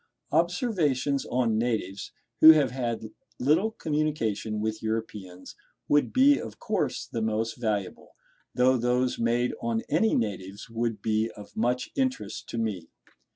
Observations on natives who have had little communication with Europeans would be of course the most valuable, though those made on any natives would be of much interest to me.